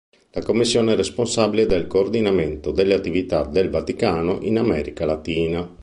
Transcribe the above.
La commissione è responsabile del coordinamento delle attività del Vaticano in America Latina.